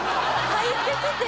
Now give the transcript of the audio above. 入ってきて。